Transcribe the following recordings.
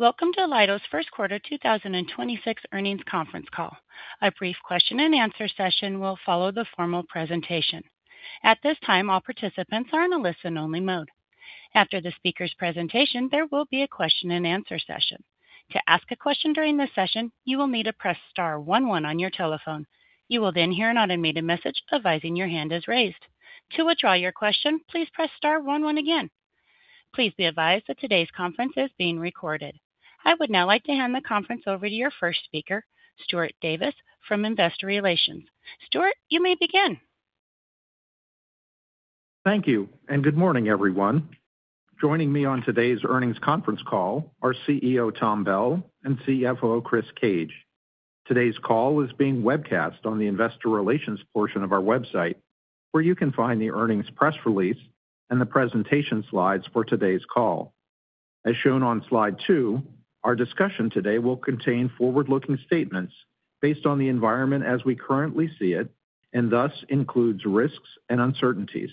Welcome to Leidos' first quarter 2026 earnings conference call. A brief question-and-answer session will follow the formal presentation. At this time, all participants are in a listen-only mode. After the speaker's presentation, there will be a question-and-answer session. To ask a question during this session, you will need to press star one one on your telephone. You will hear an automated message advising your hand is raised. To withdraw your question, please press star one one again. Please be advised that today's conference is being recorded. I would now like to hand the conference over to your first speaker, Stuart Davis from Investor Relations. Stuart, you may begin. Thank you, and good morning, everyone. Joining me on today's earnings conference call are CEO, Tom Bell, and CFO, Chris Cage. Today's call is being webcast on the investor relations portion of our website, where you can find the earnings press release and the presentation slides for today's call. As shown on slide two, our discussion today will contain forward-looking statements based on the environment as we currently see it and thus includes risks and uncertainties.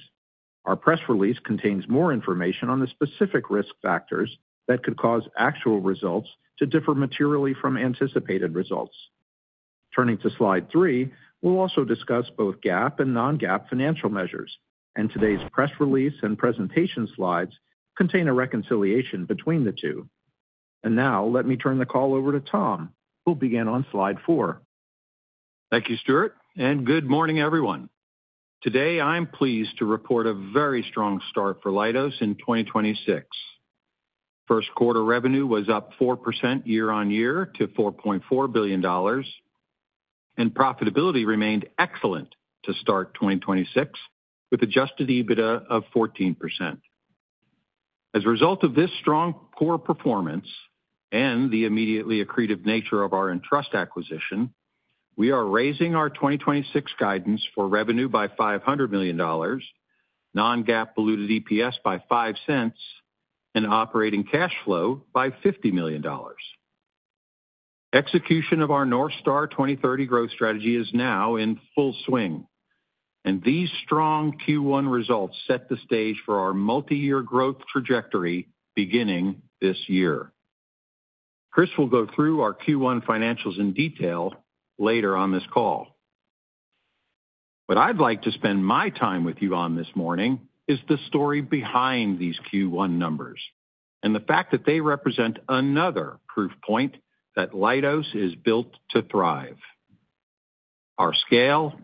Our press release contains more information on the specific risk factors that could cause actual results to differ materially from anticipated results. Turning to slide three, we'll also discuss both GAAP and non-GAAP financial measures, and today's press release and presentation slides contain a reconciliation between the two. Now let me turn the call over to Tom, who'll begin on slide four. Thank you, Stuart. Good morning, everyone. Today, I'm pleased to report a very strong start for Leidos in 2026. First quarter revenue was up 4% year-on-year to $4.4 billion. Profitability remained excellent to start 2026 with adjusted EBITDA of 14%. As a result of this strong core performance and the immediately accretive nature of our ENTRUST acquisition, we are raising our 2026 guidance for revenue by $500 million, non-GAAP diluted EPS by $0.05, and operating cash flow by $50 million. Execution of our NorthStar 2030 growth strategy is now in full swing. These strong Q1 results set the stage for our multi-year growth trajectory beginning this year. Chris will go through our Q1 financials in detail later on this call. What I'd like to spend my time with you on this morning is the story behind these Q1 numbers and the fact that they represent another proof point that Leidos is built to thrive. Our scale,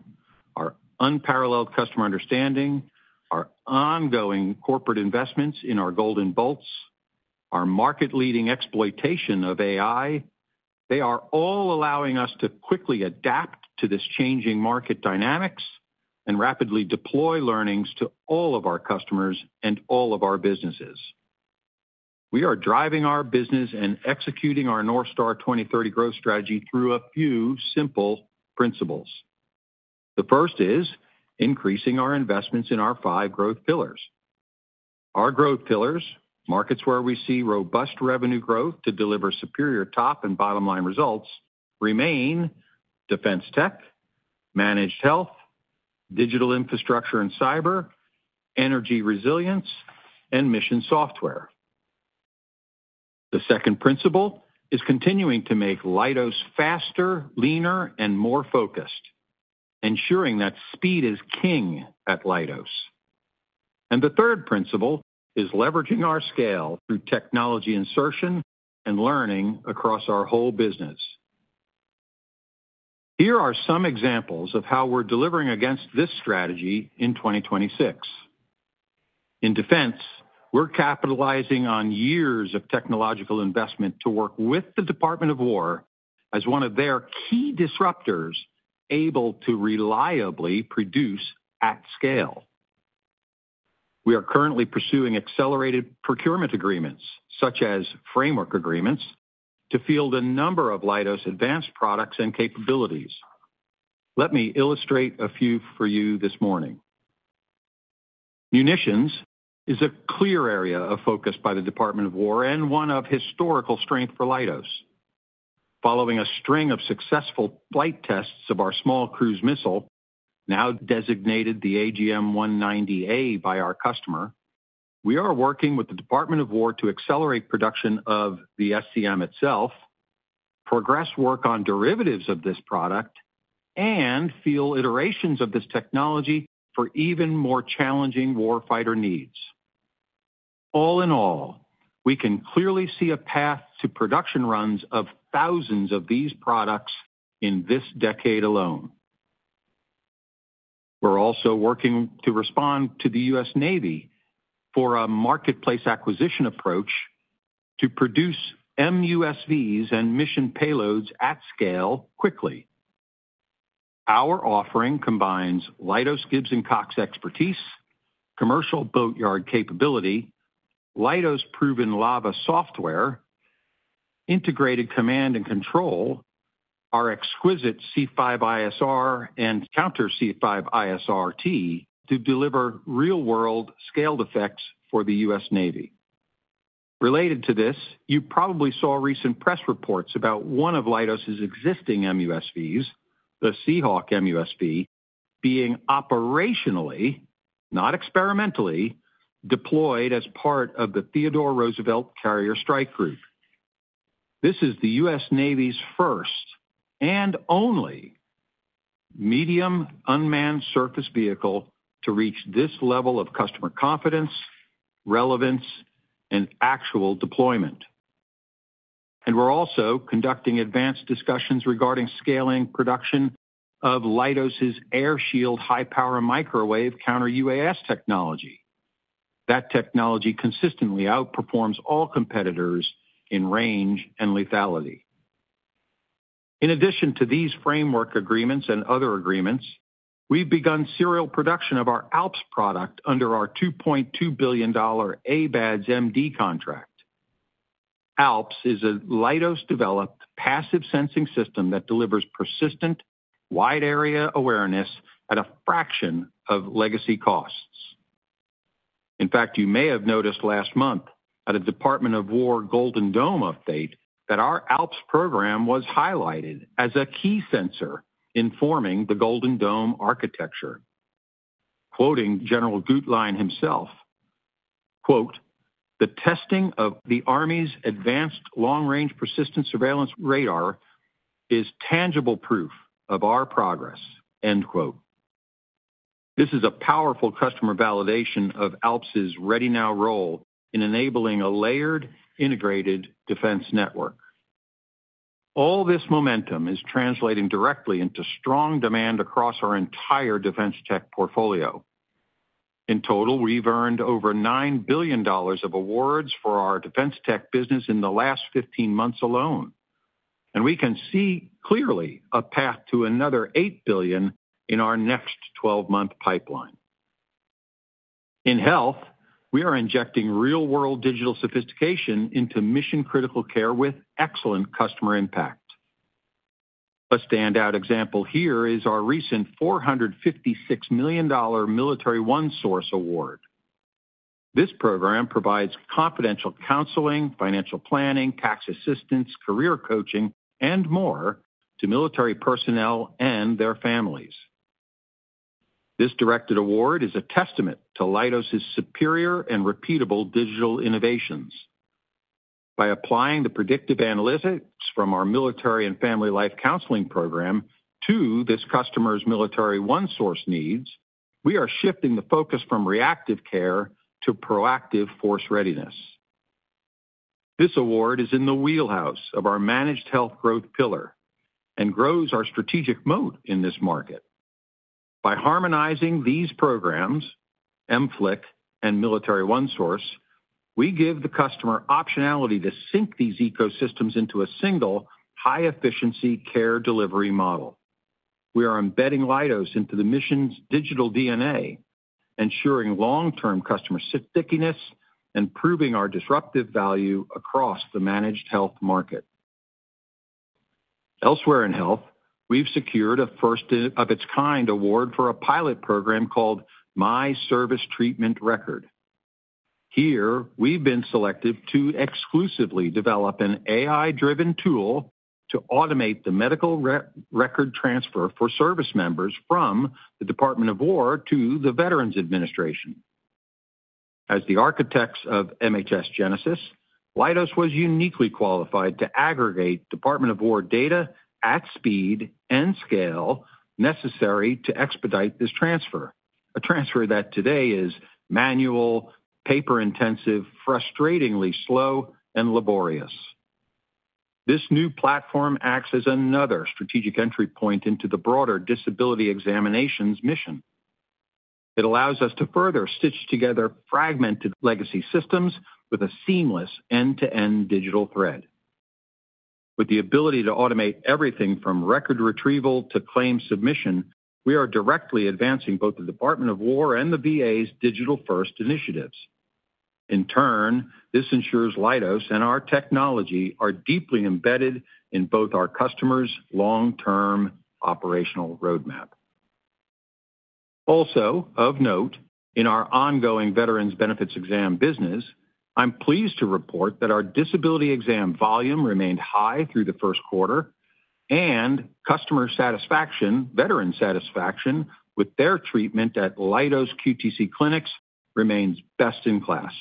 our unparalleled customer understanding, our ongoing corporate investments in our Golden Bolts, our market-leading exploitation of AI, they are all allowing us to quickly adapt to this changing market dynamics and rapidly deploy learnings to all of our customers and all of our businesses. We are driving our business and executing our NorthStar 2030 growth strategy through a few simple principles. The first is increasing our investments in our five growth pillars. Our growth pillars, markets where we see robust revenue growth to deliver superior top and bottom-line results remain Defense Tech, Managed Health, Digital Infrastructure and Cyber, Energy Resilience, and Mission Software. The second principle is continuing to make Leidos faster, leaner, and more focused, ensuring that speed is king at Leidos. The third principle is leveraging our scale through technology insertion and learning across our whole business. Here are some examples of how we're delivering against this strategy in 2026. In Defense, we're capitalizing on years of technological investment to work with the Department of Defense as one of their key disruptors able to reliably produce at scale. We are currently pursuing accelerated procurement agreements, such as framework agreements, to field a number of Leidos advanced products and capabilities. Let me illustrate a few for you this morning. Munitions is a clear area of focus by the Department of Defense and one of historical strength for Leidos. Following a string of successful flight tests of our small cruise missile, now designated the AGM-190A by our customer, we are working with the Department of Defense to accelerate production of the SCM itself, progress work on derivatives of this product, and field iterations of this technology for even more challenging warfighter needs. All in all, we can clearly see a path to production runs of thousands of these products in this decade alone. We are also working to respond to the U.S. Navy for a marketplace acquisition approach to produce MUSVs and mission payloads at scale quickly. Our offering combines Leidos Gibbs & Cox expertise, commercial boatyard capability, Leidos proven LAVA software, integrated command and control, our exquisite C5ISR and counter C5ISRT to deliver real-world scaled effects for the U.S. Navy. Related to this, you probably saw recent press reports about one of Leidos' existing MUSVs, the Seahawk MUSV being operationally, not experimentally, deployed as part of the Theodore Roosevelt Carrier Strike Group. This is the U.S. Navy's first and only medium unmanned surface vehicle to reach this level of customer confidence, relevance, and actual deployment. We're also conducting advanced discussions regarding scaling production of Leidos' Air Shield high-power microwave counter-UAS technology. That technology consistently outperforms all competitors in range and lethality. In addition to these framework agreements and other agreements, we've begun serial production of our ALPS product under our $2.2 billion ABADS-MD contract. ALPS is a Leidos-developed passive sensing system that delivers persistent wide-area awareness at a fraction of legacy costs. In fact, you may have noticed last month at a Department of Defense Golden Dome update that our ALPS program was highlighted as a key sensor in forming the Golden Dome architecture. Quoting General Guetlein himself, The testing of the Army's advanced long-range persistent surveillance radar is tangible proof of our progress. This is a powerful customer validation of ALPS' ready-now role in enabling a layered, integrated defense network. All this momentum is translating directly into strong demand across our entire defense tech portfolio. In total, we've earned over $9 billion of awards for our defense tech business in the last 15 months alone. We can see clearly a path to another $8 billion in our next 12-month pipeline. In health, we are injecting real-world digital sophistication into mission-critical care with excellent customer impact. A standout example here is our recent $456 million Military OneSource award. This program provides confidential counseling, financial planning, tax assistance, career coaching, and more to military personnel and their families. This directed award is a testament to Leidos' superior and repeatable digital innovations. By applying the predictive analytics from our Military and Family Life Counseling program to this customer's Military OneSource needs, we are shifting the focus from reactive care to proactive force readiness. This award is in the wheelhouse of our managed health growth pillar and grows our strategic moat in this market. By harmonizing these programs, MFLC and Military OneSource, we give the customer optionality to sync these ecosystems into a single high-efficiency care delivery model. We are embedding Leidos into the mission's digital DNA, ensuring long-term customer stickiness and proving our disruptive value across the managed health market. Elsewhere in Health, we've secured a first-of-its-kind award for a pilot program called My Service Treatment Record. Here, we've been selected to exclusively develop an AI-driven tool to automate the medical re-record transfer for service members from the Department of Defense to the Department of Veterans Affairs. As the architects of MHS GENESIS, Leidos was uniquely qualified to aggregate Department of Defense data at speed and scale necessary to expedite this transfer, a transfer that today is manual, paper-intensive, frustratingly slow, and laborious. This new platform acts as another strategic entry point into the broader disability examinations mission. It allows us to further stitch together fragmented legacy systems with a seamless end-to-end digital thread. With the ability to automate everything from record retrieval to claim submission, we are directly advancing both the Department of Defense and the VA's digital-first initiatives. In turn, this ensures Leidos and our technology are deeply embedded in both our customers' long-term operational roadmap. Also, of note, in our ongoing Veterans Benefits Exam business, I'm pleased to report that our disability exam volume remained high through the first quarter and customer satisfaction, veteran satisfaction with their treatment at Leidos QTC clinics remains best in class.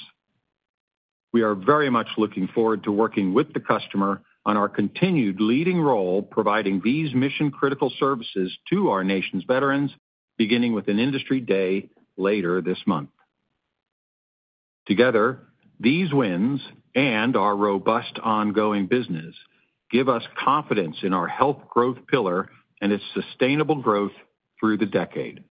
We are very much looking forward to working with the customer on our continued leading role providing these mission-critical services to our nation's veterans, beginning with an industry day later this month. Together, these wins and our robust ongoing business give us confidence in our health growth pillar and its sustainable growth through the decade.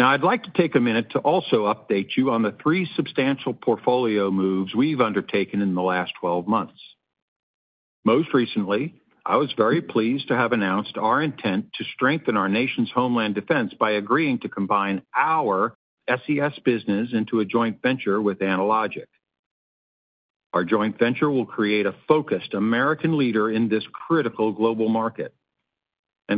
I'd like to take a minute to also update you on the three substantial portfolio moves we've undertaken in the last 12 months. Most recently, I was very pleased to have announced our intent to strengthen our nation's homeland defense by agreeing to combine our SES business into a joint venture with Analogic. Our joint venture will create a focused American leader in this critical global market.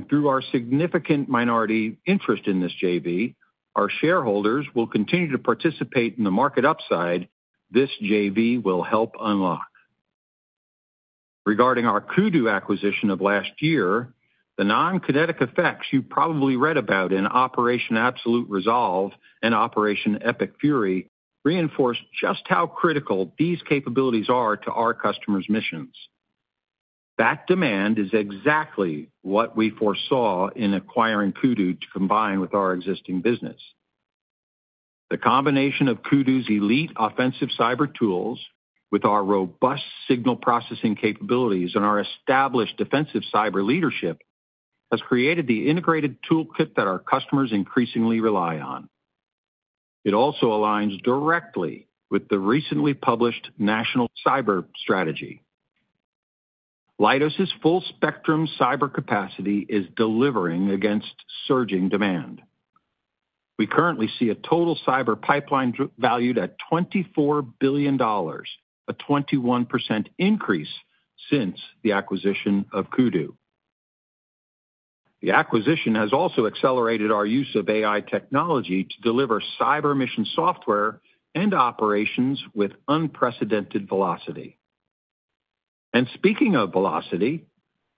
Through our significant minority interest in this JV, our shareholders will continue to participate in the market upside this JV will help unlock. Regarding our Kudu acquisition of last year, the non-kinetic effects you probably read about in Operation Absolute Resolve and Operation Epic Fury reinforce just how critical these capabilities are to our customers' missions. That demand is exactly what we foresaw in acquiring Kudu to combine with our existing business. The combination of Kudu's elite offensive cyber tools with our robust signal processing capabilities and our established defensive cyber leadership has created the integrated toolkit that our customers increasingly rely on. It also aligns directly with the recently published National Cyber Strategy. Leidos' full-spectrum cyber capacity is delivering against surging demand. We currently see a total cyber pipeline valued at $24 billion, a 21% increase since the acquisition of Kudu. The acquisition has also accelerated our use of AI technology to deliver cyber mission software and operations with unprecedented velocity. Speaking of velocity,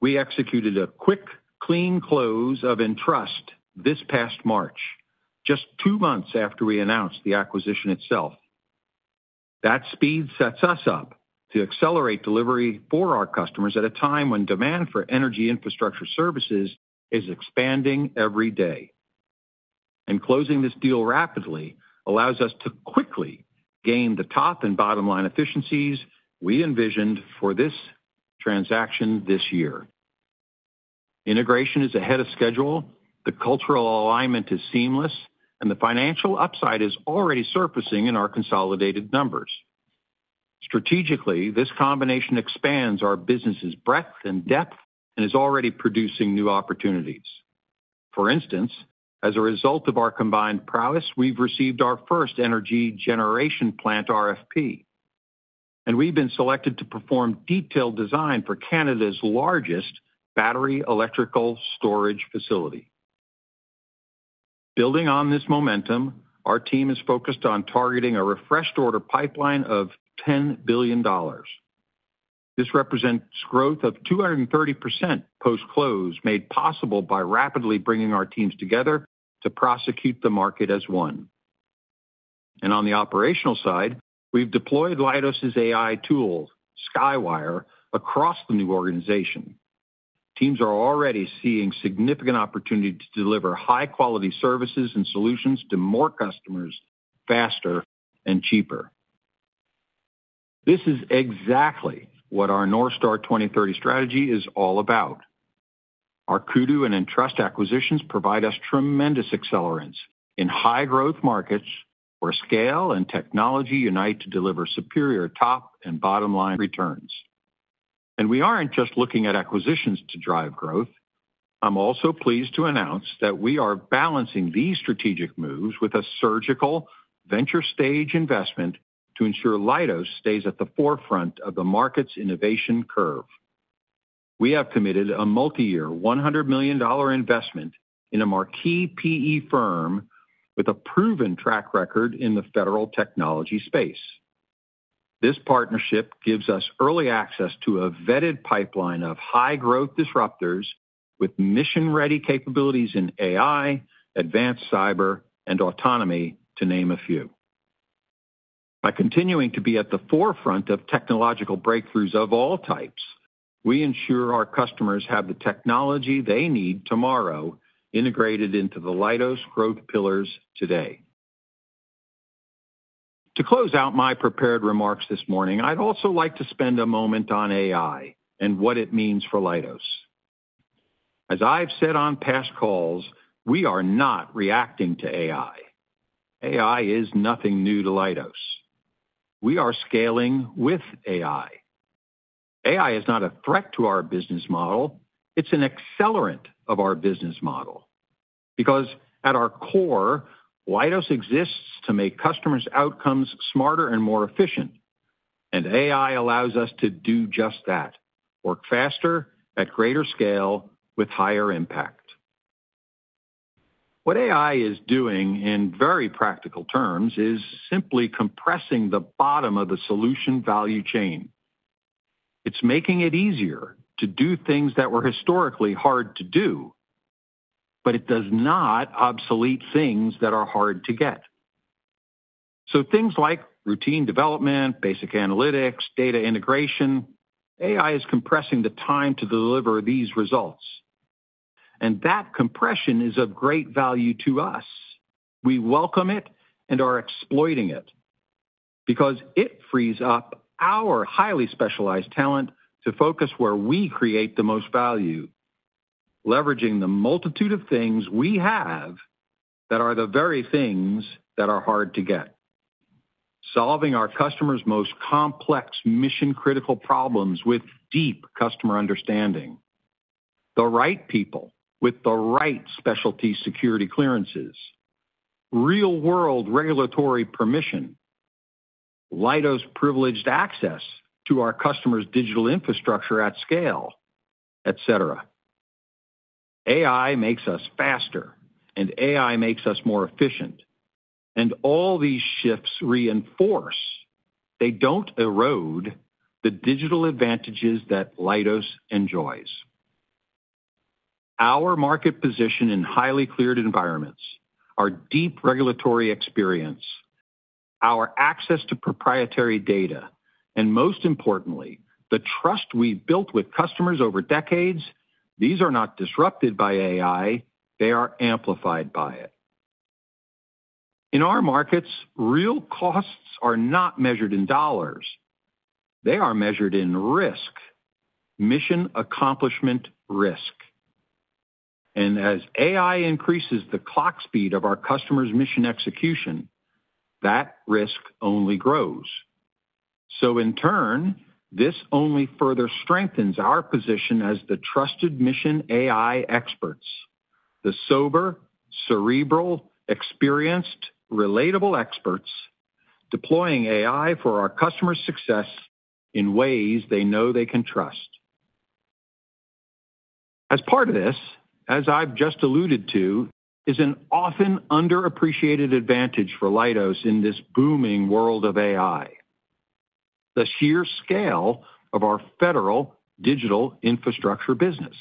we executed a quick, clean close of ENTRUST this past March, just two months after we announced the acquisition itself. That speed sets us up to accelerate delivery for our customers at a time when demand for energy infrastructure services is expanding every day. Closing this deal rapidly allows us to quickly gain the top and bottom-line efficiencies we envisioned for this transaction this year. Integration is ahead of schedule, the cultural alignment is seamless, and the financial upside is already surfacing in our consolidated numbers. This combination expands our business's breadth and depth and is already producing new opportunities. For instance, as a result of our combined prowess, we've received our first energy generation plant RFP, and we've been selected to perform detailed design for Canada's largest battery electrical storage facility. Building on this momentum, our team is focused on targeting a refreshed order pipeline of $10 billion. This represents growth of 230% post-close made possible by rapidly bringing our teams together to prosecute the market as one. On the operational side, we've deployed Leidos' AI tool, Skywire, across the new organization. Teams are already seeing significant opportunity to deliver high-quality services and solutions to more customers faster and cheaper. This is exactly what our NorthStar 2030 strategy is all about. Our Kudu and ENTRUST acquisitions provide us tremendous accelerants in high-growth markets where scale and technology unite to deliver superior top and bottom-line returns. We aren't just looking at acquisitions to drive growth. I'm also pleased to announce that we are balancing these strategic moves with a surgical venture-stage investment to ensure Leidos stays at the forefront of the market's innovation curve. We have committed a multi-year $100 million investment in a marquee PE firm with a proven track record in the federal technology space. This partnership gives us early access to a vetted pipeline of high-growth disruptors with mission-ready capabilities in AI, advanced cyber, and autonomy, to name a few. By continuing to be at the forefront of technological breakthroughs of all types, we ensure our customers have the technology they need tomorrow integrated into the Leidos growth pillars today. To close out my prepared remarks this morning, I'd also like to spend a moment on AI and what it means for Leidos. As I've said on past calls, we are not reacting to AI. AI is nothing new to Leidos. We are scaling with AI. AI is not a threat to our business model. It's an accelerant of our business model because at our core, Leidos exists to make customers' outcomes smarter and more efficient, and AI allows us to do just that, work faster at greater scale with higher impact. What AI is doing in very practical terms is simply compressing the bottom of the solution value chain. It's making it easier to do things that were historically hard to do, but it does not obsolete things that are hard to get. Things like routine development, basic analytics, data integration, AI is compressing the time to deliver these results, and that compression is of great value to us. We welcome it and are exploiting it because it frees up our highly specialized talent to focus where we create the most value, leveraging the multitude of things we have that are the very things that are hard to get. Solving our customers' most complex mission-critical problems with deep customer understanding, the right people with the right specialty security clearances, real-world regulatory permission, Leidos privileged access to our customers' digital infrastructure at scale, et cetera. AI makes us faster, and AI makes us more efficient. All these shifts reinforce, they don't erode the digital advantages that Leidos enjoys. Our market position in highly cleared environments, our deep regulatory experience, our access to proprietary data, Most importantly, the trust we've built with customers over decades, these are not disrupted by AI, they are amplified by it. In our markets, real costs are not measured in dollars. They are measured in risk, mission accomplishment risk. As AI increases the clock speed of our customers' mission execution, that risk only grows. In turn, this only further strengthens our position as the trusted mission AI experts, the sober, cerebral, experienced, relatable experts deploying AI for our customers' success in ways they know they can trust. As part of this, as I've just alluded to, is an often underappreciated advantage for Leidos in this booming world of AI. The sheer scale of our federal digital infrastructure business.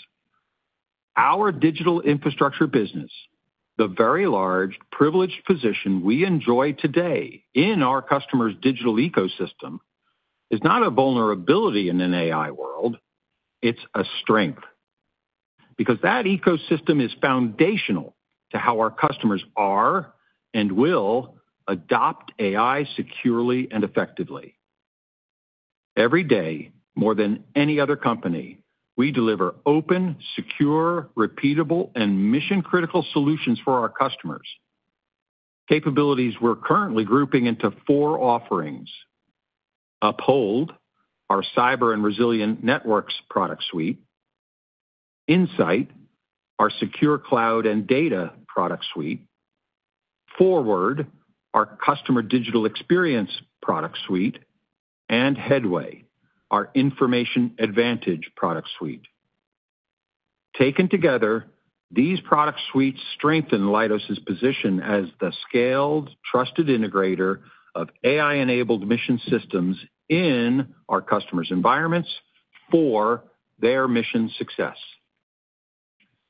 Our digital infrastructure business, the very large, privileged position we enjoy today in our customer's digital ecosystem, is not a vulnerability in an AI world, it's a strength. Because that ecosystem is foundational to how our customers are and will adopt AI securely and effectively. Every day, more than any other company, we deliver open, secure, repeatable, and mission-critical solutions for our customers. Capabilities we're currently grouping into four offerings. UpHold, our cyber and resilient networks product suite. InSight, our secure cloud and data product suite. ForWard, our customer digital experience product suite, and HeadWay, our information advantage product suite. Taken together, these product suites strengthen Leidos' position as the scaled, trusted integrator of AI-enabled mission systems in our customers' environments for their mission success.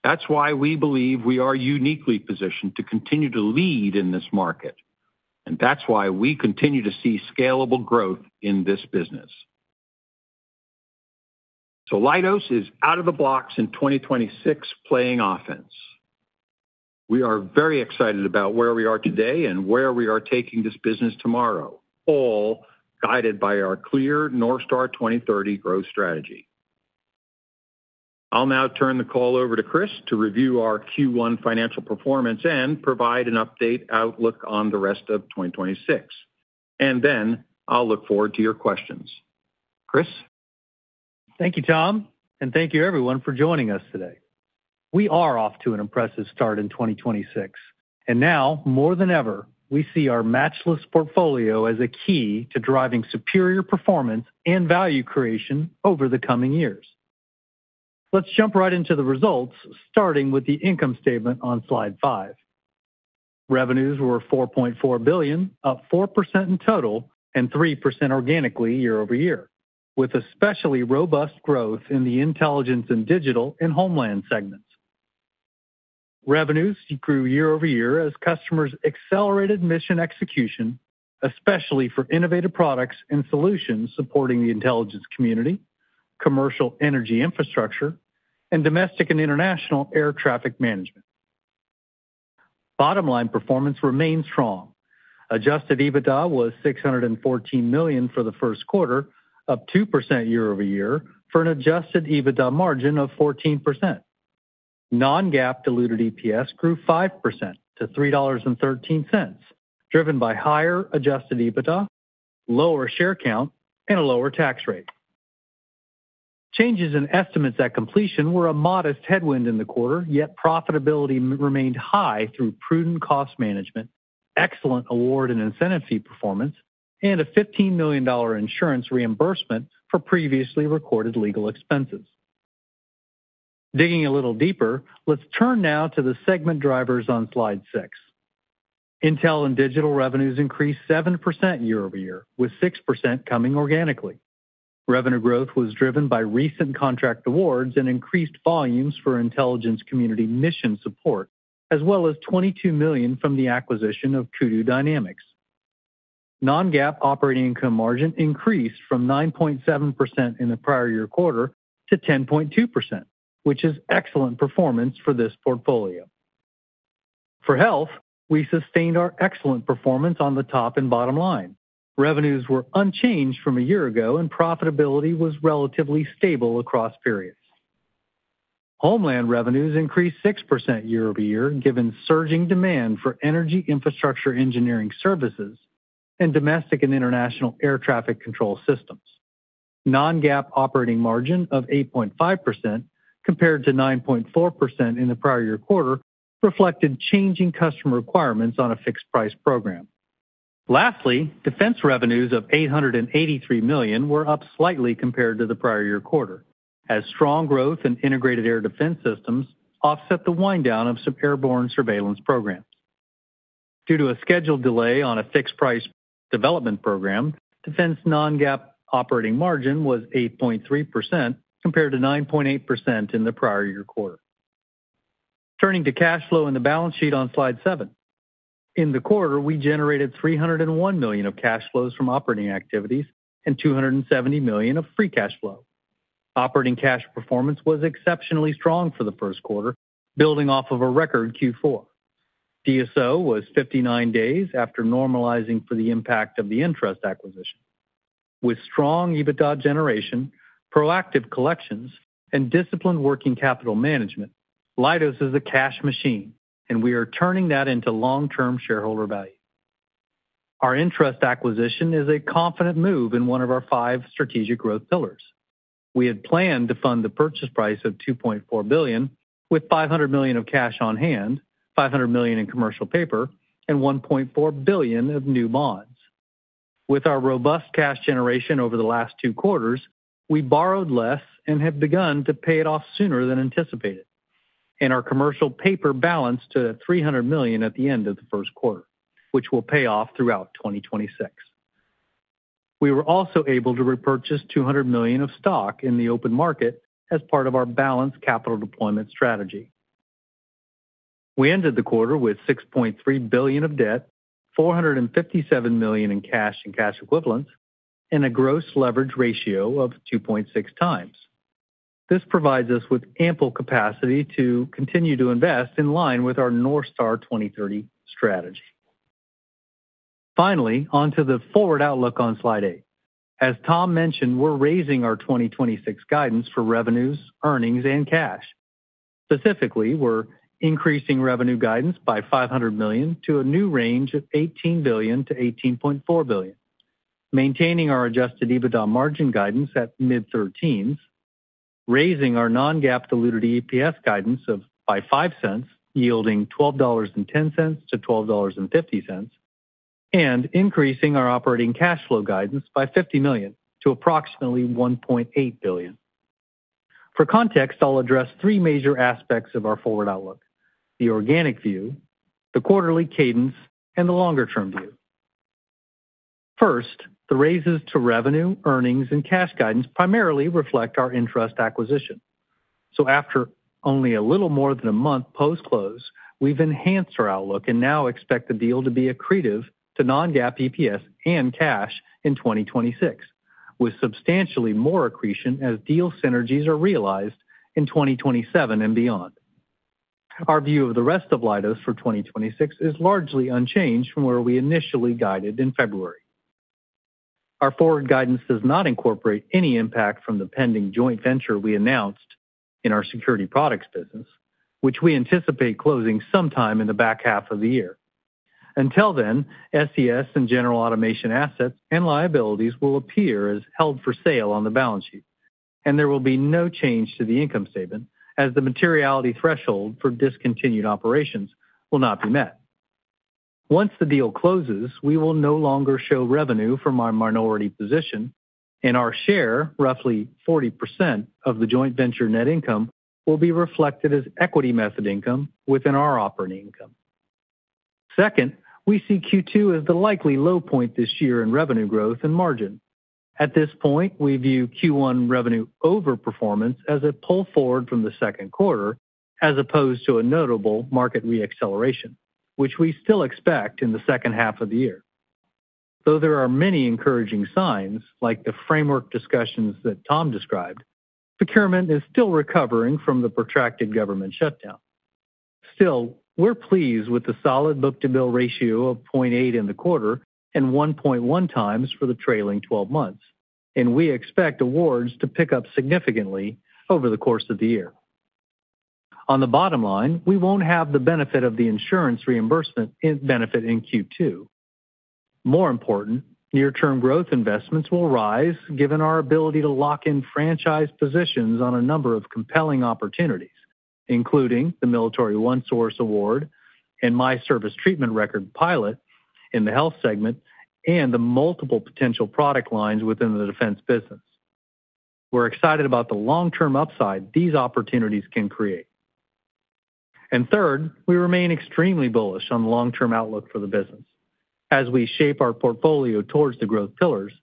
That's why we believe we are uniquely positioned to continue to lead in this market, and that's why we continue to see scalable growth in this business. Leidos is out of the blocks in 2026 playing offense. We are very excited about where we are today and where we are taking this business tomorrow, all guided by our clear NorthStar 2030 growth strategy. I'll now turn the call over to Chris to review our Q1 financial performance and provide an update outlook on the rest of 2026. I'll look forward to your questions. Chris? Thank you, Tom, and thank you everyone for joining us today. We are off to an impressive start in 2026. Now more than ever, we see our matchless portfolio as a key to driving superior performance and value creation over the coming years. Let's jump right into the results, starting with the income statement on slide five. Revenues were $4.4 billion, up 4% in total and 3% organically year-over-year, with especially robust growth in the Intelligence and Digital and homeland segments. Revenues grew year-over-year as customers accelerated mission execution, especially for innovative products and solutions supporting the intelligence community, commercial energy infrastructure, and domestic and international air traffic management. Bottom line performance remained strong. Adjusted EBITDA was $614 million for the first quarter, up 2% year-over-year, for an adjusted EBITDA margin of 14%. Non-GAAP diluted EPS grew 5%-$3.13, driven by higher adjusted EBITDA, lower share count, and a lower tax rate. Changes in estimates at completion were a modest headwind in the quarter, yet profitability remained high through prudent cost management, excellent award and incentive fee performance, and a $15 million insurance reimbursement for previously recorded legal expenses. Digging a little deeper, let's turn now to the segment drivers on slide six. Intelligence and Digital revenues increased 7% year-over-year, with 6% coming organically. Revenue growth was driven by recent contract awards and increased volumes for intelligence community mission support, as well as $22 million from the acquisition of Kudu Dynamics. Non-GAAP operating income margin increased from 9.7% in the prior year quarter to 10.2%, which is excellent performance for this portfolio. For Health, we sustained our excellent performance on the top and bottom line. Revenues were unchanged from a year ago. Profitability was relatively stable across periods. Homeland revenues increased 6% year-over-year, given surging demand for energy infrastructure engineering services and domestic and international air traffic control systems. Non-GAAP operating margin of 8.5% compared to 9.4% in the prior year quarter reflected changing customer requirements on a fixed-price program. Lastly, defense revenues of $883 million were up slightly compared to the prior year quarter, as strong growth in integrated air defense systems offset the wind down of some airborne surveillance programs. Due to a scheduled delay on a fixed-price development program, defense non-GAAP operating margin was 8.3% compared to 9.8% in the prior year quarter. Turning to cash flow and the balance sheet on slide seven. In the quarter, we generated $301 million of cash flows from operating activities and $270 million of free cash flow. Operating cash performance was exceptionally strong for the first quarter, building off of a record Q4. DSO was 59 days after normalizing for the impact of the ENTRUST acquisition. With strong EBITDA generation, proactive collections, and disciplined working capital management, Leidos is a cash machine, and we are turning that into long-term shareholder value. Our ENTRUST acquisition is a confident move in one of our five strategic growth pillars. We had planned to fund the purchase price of $2.4 billion with $500 million of cash on hand, $500 million in commercial paper, and $1.4 billion of new bonds. With our robust cash generation over the last two quarters, we borrowed less and have begun to pay it off sooner than anticipated. Our commercial paper balanced to $300 million at the end of the first quarter, which we'll pay off throughout 2026. We were also able to repurchase $200 million of stock in the open market as part of our balanced capital deployment strategy. We ended the quarter with $6.3 billion of debt, $457 million in cash and cash equivalents, and a gross leverage ratio of 2.6x. This provides us with ample capacity to continue to invest in line with our NorthStar 2030 strategy. Finally, on to the forward outlook on slide eight. As Tom mentioned, we're raising our 2026 guidance for revenues, earnings, and cash. Specifically, we're increasing revenue guidance by $500 million to a new range of $18 billion-$18.4 billion. Maintaining our adjusted EBITDA margin guidance at mid-thirteens, raising our non-GAAP diluted EPS guidance of by $0.05, yielding $12.10-$12.50, and increasing our operating cash flow guidance by $50 million to approximately $1.8 billion. For context, I'll address three major aspects of our forward outlook: the organic view, the quarterly cadence, and the longer-term view. First, the raises to revenue, earnings, and cash guidance primarily reflect our ENTRUST acquisition. After only a little more than a month post-close, we've enhanced our outlook and now expect the deal to be accretive to non-GAAP EPS and cash in 2026, with substantially more accretion as deal synergies are realized in 2027 and beyond. Our view of the rest of Leidos for 2026 is largely unchanged from where we initially guided in February. Our forward guidance does not incorporate any impact from the pending joint venture we announced in our Security Products business, which we anticipate closing sometime in the back half of the year. Until then, SES and General Automation assets and liabilities will appear as held for sale on the balance sheet, and there will be no change to the income statement as the materiality threshold for discontinued operations will not be met. Once the deal closes, we will no longer show revenue from our minority position, and our share, roughly 40% of the joint venture net income, will be reflected as equity method income within our operating income. Second, we see Q2 as the likely low point this year in revenue growth and margin. At this point, we view Q1 revenue overperformance as a pull forward from the second quarter as opposed to a notable market re-acceleration, which we still expect in the second half of the year. There are many encouraging signs, like the framework discussions that Tom described, procurement is still recovering from the protracted government shutdown. We're pleased with the solid book-to-bill ratio of 0.8 in the quarter and 1.1x for the trailing 12 months. We expect awards to pick up significantly over the course of the year. On the bottom line, we won't have the benefit of the insurance reimbursement in benefit in Q2. More important, near-term growth investments will rise given our ability to lock in franchise positions on a number of compelling opportunities, including the Military OneSource award and My Service Treatment Record pilot in the Health segment and the multiple potential product lines within the Defense Business. We're excited about the long-term upside these opportunities can create. Third, we remain extremely bullish on the long-term outlook for the business. As we shape our portfolio towards the growth pillars,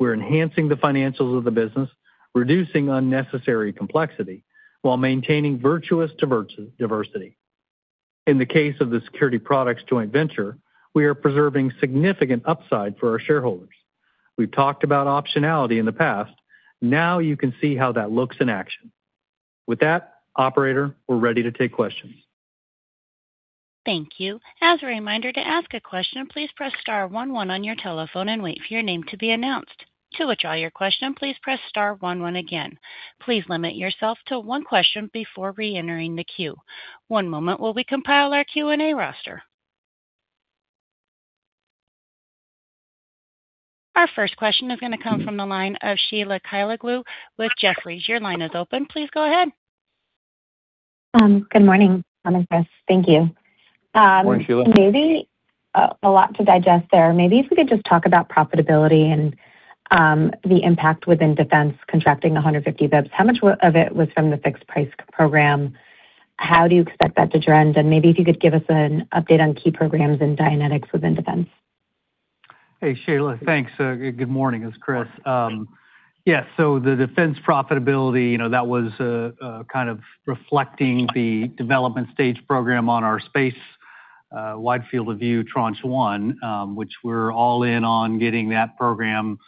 we're enhancing the financials of the business, reducing unnecessary complexity while maintaining virtuous diversity. In the case of the security products joint venture, we are preserving significant upside for our shareholders. We've talked about optionality in the past. Now you can see how that looks in action. With that, operator, we're ready to take questions. Thank you. As a reminder to ask a question, please press star one one on your telephone and wait for your name to be announced. To withdraw your question, please press star one one again. Please limit yourself to one question before reentering the queue. One moment while we compile our Q&A roster. Our first question is gonna come from the line of Sheila Kahyaoglu with Jefferies. Your line is open. Please go ahead. Good morning, Chris. Thank you. Morning, Sheila. Maybe a lot to digest there. Maybe if we could just talk about profitability and the impact within defense contracting 150 basis points. How much of it was from the fixed price program? How do you expect that to trend? Maybe if you could give us an update on key programs and dynamics within Defense. Hey, Sheila. Thanks. good morning. It's Chris. Yes, the defense profitability, you know, that was kind of reflecting the development stage program on our space Wide Field of View Tranche 1, which we're all in on getting that program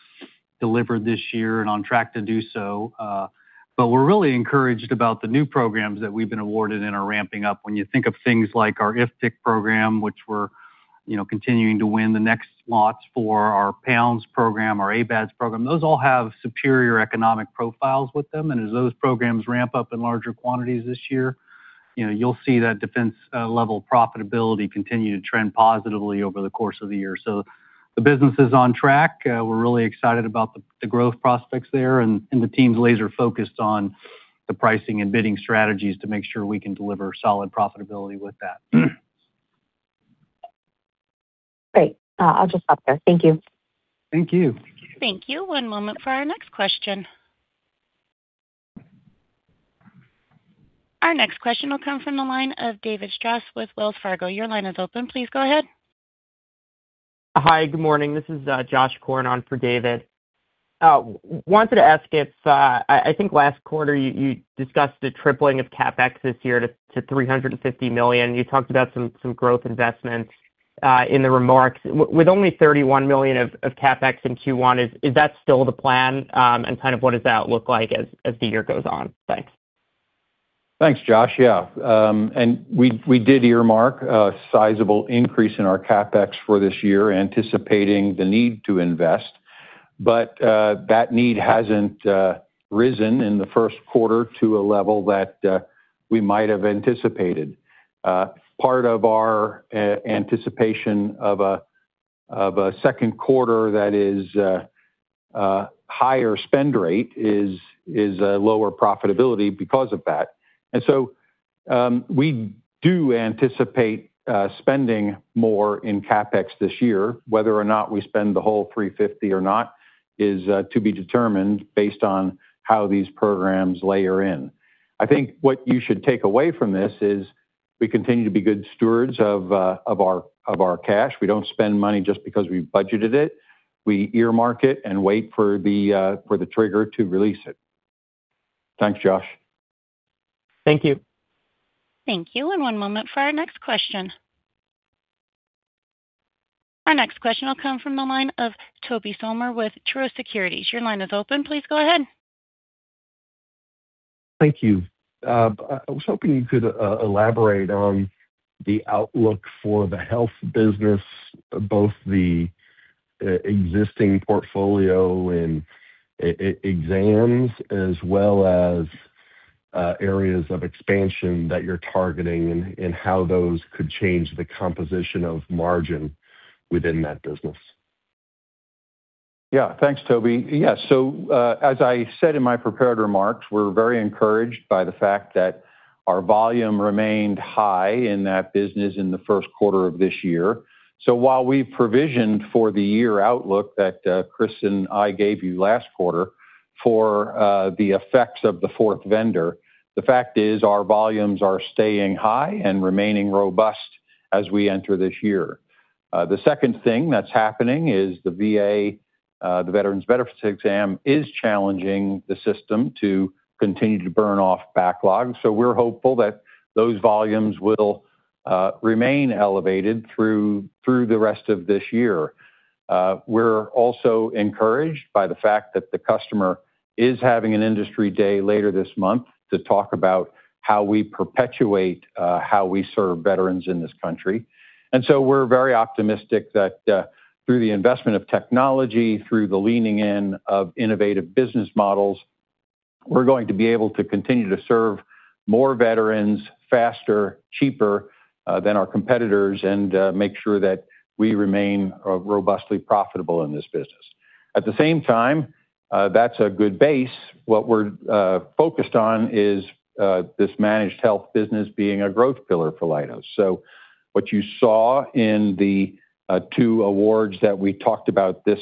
delivered this year and on track to do so. We're really encouraged about the new programs that we've been awarded and are ramping up. When you think of things like our IFTC program, which we're, you know, continuing to win the next slots for our Pounds program, our ABADS program. Those all have superior economic profiles with them, as those programs ramp up in larger quantities this year, you know, you'll see that defense level profitability continue to trend positively over the course of the year. The business is on track. We're really excited about the growth prospects there and the team's laser-focused on the pricing and bidding strategies to make sure we can deliver solid profitability with that. Great. I'll just stop there. Thank you. Thank you. Thank you. One moment for our next question. Our next question will come from the line of David Strauss with Wells Fargo. Your line is open. Please go ahead. Hi, good morning. This is Joshua Korn on for David. wanted to ask if I think last quarter you discussed a tripling of CapEx this year to $350 million. You talked about some growth investments in the remarks. With only $31 million of CapEx in Q1, is that still the plan? What does that look like as the year goes on? Thanks. Thanks, Josh. Yeah. We did earmark a sizable increase in our CapEx for this year, anticipating the need to invest. That need hasn't risen in the first quarter to a level that we might have anticipated. Part of our anticipation of a second quarter that is a higher spend rate is a lower profitability because of that. We do anticipate spending more in CapEx this year. Whether or not we spend the whole $350 or not is to be determined based on how these programs layer in. I think what you should take away from this is we continue to be good stewards of our cash. We don't spend money just because we budgeted it. We earmark it and wait for the, for the trigger to release it. Thanks, Josh. Thank you. Thank you. One moment for our next question. Our next question will come from the line of Tobey Sommer with Truist Securities. Your line is open. Please go ahead. Thank you. I was hoping you could elaborate on the outlook for the health business, both the existing portfolio and exams as well as areas of expansion that you're targeting and how those could change the composition of margin within that business. Thanks, Tobey. As I said in my prepared remarks, we're very encouraged by the fact that our volume remained high in that business in the first quarter of this year. While we've provisioned for the year outlook that Chris and I gave you last quarter for the effects of the fourth vendor, the fact is our volumes are staying high and remaining robust as we enter this year. The second thing that's happening is the VA, the Veterans Benefits Exam, is challenging the system to continue to burn off backlogs. We're hopeful that those volumes will remain elevated through the rest of this year. We're also encouraged by the fact that the customer is having an industry day later this month to talk about how we perpetuate how we serve veterans in this country. We are very optimistic that through the investment of technology, through the leaning in of innovative business models, we are going to be able to continue to serve more veterans faster, cheaper than our competitors and make sure that we remain robustly profitable in this business. At the same time, that's a good base. What we are focused on is this Managed Health Business being a growth pillar for Leidos. What you saw in the two awards that we talked about this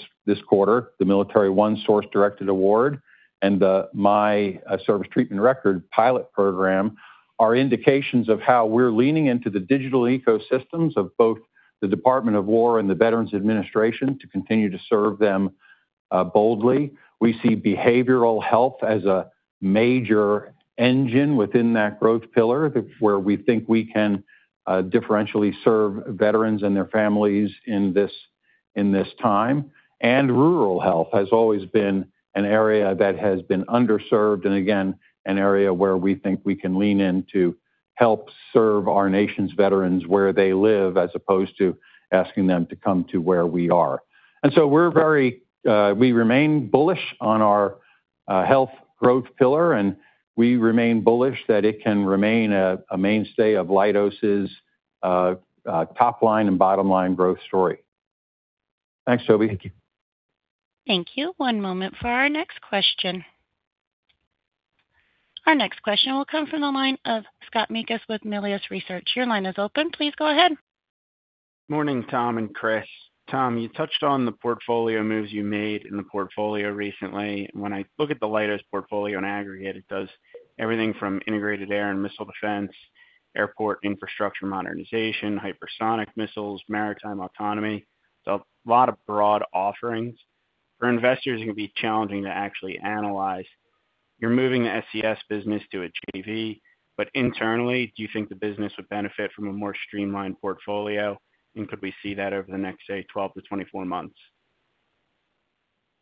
quarter, the Military OneSource directed award and the My Service Treatment Record pilot program, are indications of how we are leaning into the digital ecosystems of both the Department of Defense and the Department of Veterans Affairs to continue to serve them boldly. We see behavioral health as a major engine within that growth pillar, where we think we can differentially serve veterans and their families in this, in this time. Rural health has always been an area that has been underserved, and again, an area where we think we can lean in to help serve our nation's veterans where they live, as opposed to asking them to come to where we are. We're very, we remain bullish on our health growth pillar, and we remain bullish that it can remain a mainstay of Leidos' top line and bottom line growth story. Thanks, Tobey. Thank you. One moment for our next question. Our next question will come from the line of Scott Mikus with Melius Research. Your line is open. Please go ahead. Morning, Tom and Chris. Tom, you touched on the portfolio moves you made in the portfolio recently. When I look at the Leidos portfolio in aggregate, it does everything from integrated air and missile defense, airport infrastructure modernization, hypersonic missiles, maritime autonomy. A lot of broad offerings. For investors, it can be challenging to actually analyze. You're moving the SES business to a JV, internally, do you think the business would benefit from a more streamlined portfolio? Could we see that over the next, say, 12 to 24 months?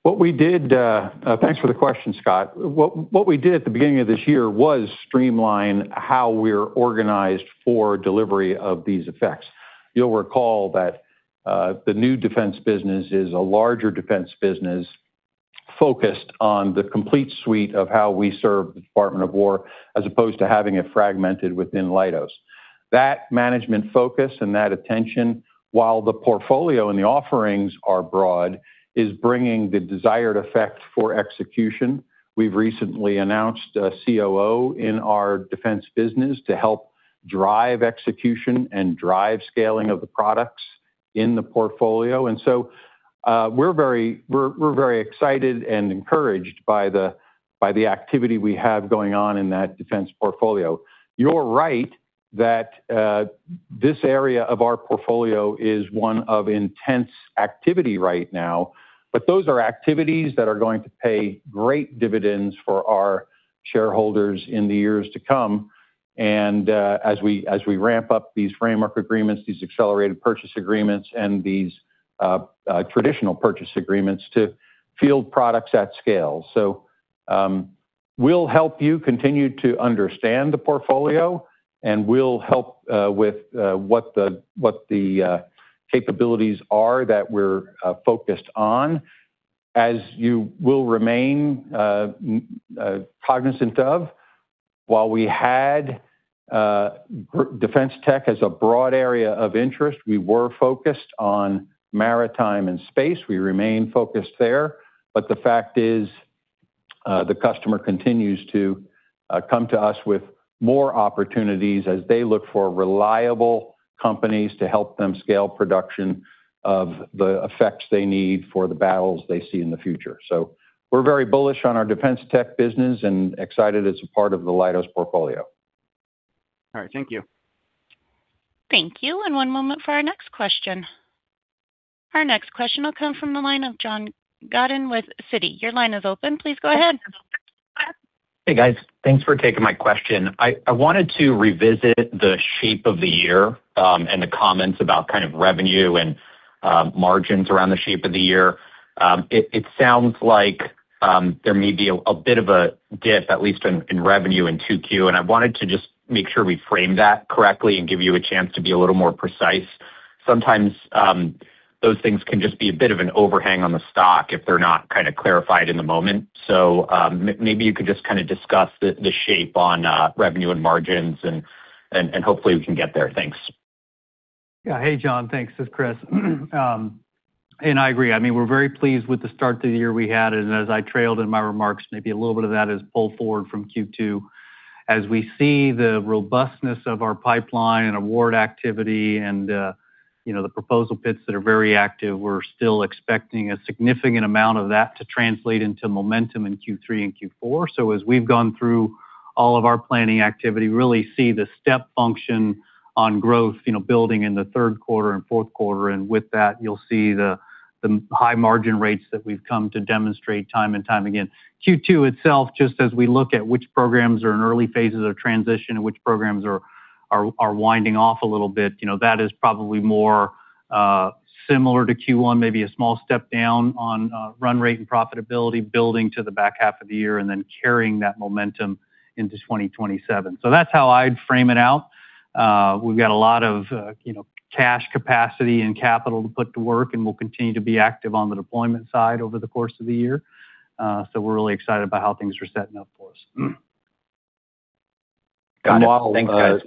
What we did, thanks for the question, Scott. What we did at the beginning of this year was streamline how we're organized for delivery of these effects. You'll recall that the new defense business is a larger defense business focused on the complete suite of how we serve the Department of Defense, as opposed to having it fragmented within Leidos. That management focus and that attention, while the portfolio and the offerings are broad, is bringing the desired effect for execution. We've recently announced a COO in our defense business to help drive execution and drive scaling of the products in the portfolio. We're very excited and encouraged by the activity we have going on in that Defense portfolio. You're right that this area of our portfolio is one of intense activity right now, but those are activities that are going to pay great dividends for our shareholders in the years to come. As we ramp up these framework agreements, these accelerated purchase agreements, and these traditional purchase agreements to field products at scale. We'll help you continue to understand the portfolio, and we'll help with what the capabilities are that we're focused on. As you will remain cognizant of, while we had defense tech as a broad area of interest, we were focused on maritime and space. We remain focused there. The fact is, the customer continues to come to us with more opportunities as they look for reliable companies to help them scale production of the effects they need for the battles they see in the future. We're very bullish on our Defense tech business and excited it's a part of the Leidos portfolio. All right. Thank you. Thank you. One moment for our next question. Our next question will come from the line of John Godyn with Citi. Your line is open. Please go ahead. Hey, guys. Thanks for taking my question. I wanted to revisit the shape of the year and the comments about kind of revenue and margins around the shape of the year. It sounds like there may be a bit of a dip, at least in revenue in 2Q. I wanted to just make sure we frame that correctly and give you a chance to be a little more precise. Sometimes, those things can just be a bit of an overhang on the stock if they're not kind of clarified in the moment. Maybe you could just kinda discuss the shape on revenue and margins and hopefully we can get there. Thanks. Hey, John. Thanks. This is Chris. I agree. I mean, we're very pleased with the start to the year we had. As I trailed in my remarks, maybe a little bit of that is pull forward from Q2. As we see the robustness of our pipeline and award activity and, you know, the proposal pits that are very active, we're still expecting a significant amount of that to translate into momentum in Q3 and Q4. As we've gone through all of our planning activity, really see the step function on growth, you know, building in the third quarter and fourth quarter, and with that, you'll see the high margin rates that we've come to demonstrate time and time again. Q2 itself, just as we look at which programs are in early phases of transition and which programs are winding off a little bit, you know, that is probably more similar to Q1, maybe a small step down on run rate and profitability, building to the back half of the year and then carrying that momentum into 2027. That's how I'd frame it out. We've got a lot of, you know, cash capacity and capital to put to work, and we'll continue to be active on the deployment side over the course of the year. We're really excited about how things are setting up for us. Got it. Thanks, guys.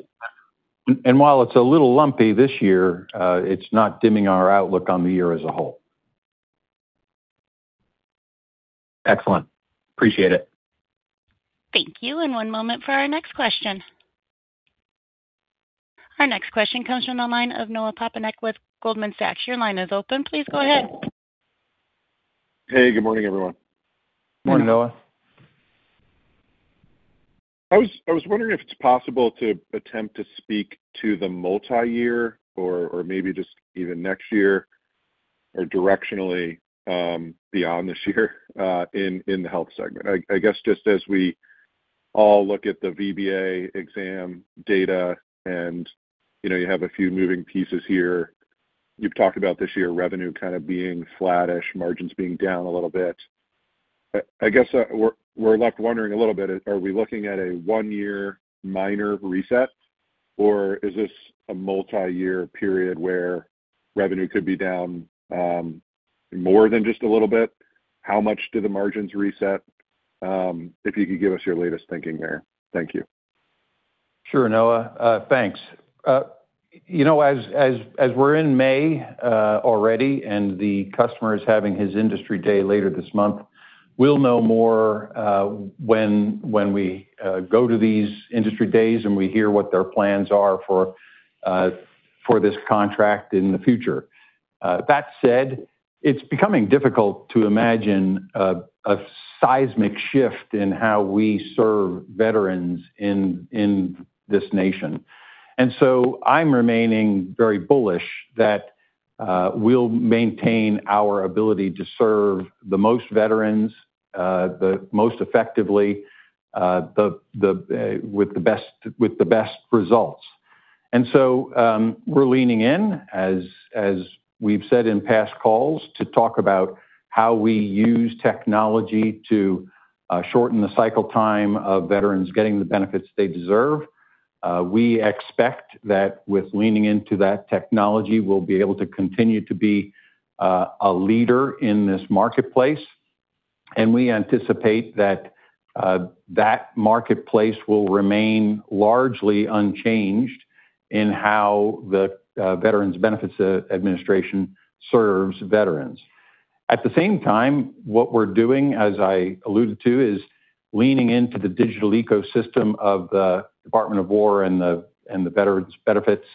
While it's a little lumpy this year, it's not dimming our outlook on the year as a whole. Excellent. Appreciate it. Thank you. One moment for our next question. Our next question comes from the line of Noah Poponak with Goldman Sachs. Your line is open. Please go ahead. Hey, good morning, everyone. Morning, Noah. I was wondering if it's possible to attempt to speak to the multi-year or maybe just even next year or directionally beyond this year in the health segment. I guess just as we all look at the VBA exam data, and, you know, you have a few moving pieces here. You've talked about this year revenue kind of being flattish, margins being down a little bit. I guess we're left wondering a little bit, are we looking at a one-year minor reset, or is this a multi-year period where revenue could be down more than just a little bit? How much do the margins reset? If you could give us your latest thinking there. Thank you. Sure, Noah. Thanks. You know, as we're in May already, and the customer is having his industry day later this month, we'll know more when we go to these industry days and we hear what their plans are for this contract in the future. That said, it's becoming difficult to imagine a seismic shift in how we serve veterans in this nation. I'm remaining very bullish that we'll maintain our ability to serve the most veterans, the most effectively, with the best results. We're leaning in as we've said in past calls to talk about how we use technology to shorten the cycle time of veterans getting the benefits they deserve. We expect that with leaning into that technology, we'll be able to continue to be a leader in this marketplace. We anticipate that that marketplace will remain largely unchanged in how the Veterans Benefits Administration serves veterans. At the same time, what we're doing, as I alluded to, is leaning into the digital ecosystem of the Department of Defense and the Veterans Benefits